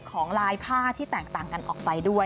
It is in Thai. ของลายผ้าที่แตกต่างกันออกไปด้วย